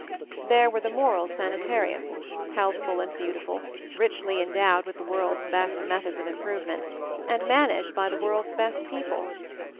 There were the moral sanitariums — healthful and beautiful, richly endowed with the world's best methods of improvement, and managed by the world's best people.